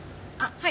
はい。